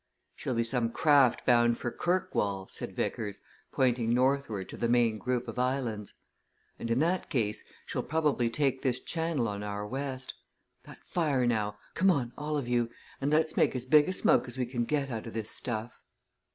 "She'll be some craft bound for Kirkwall," said Vickers, pointing northward to the main group of islands. "And in that case she'll probably take this channel on our west; that fire, now! Come on all of you, and let's make as big a smoke as we can get out of this stuff."